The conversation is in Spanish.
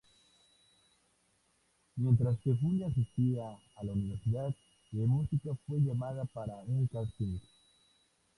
Mientras que Julia asistía a la universidad´ de música fue llamada para un casting.